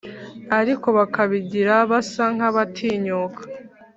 ariko bakabigira basa nk'abatinyuka